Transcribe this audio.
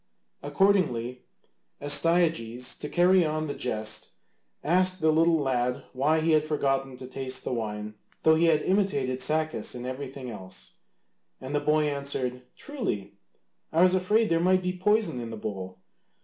Accordingly, Astyages, to carry on the jest, asked the little lad why he had forgotten to taste the wine though he had imitated Sacas in everything else. And the boy answered, "Truly, I was afraid there might be poison in the bowl.